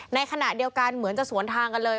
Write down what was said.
ในขณะเดียวกันเหมือนจะสวนทางกันเลย